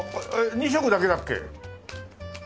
２色だけだっけか。